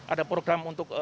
ada program untuk